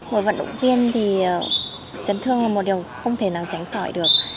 với vận động viên thì chấn thương là một điều không thể nào tránh khỏi được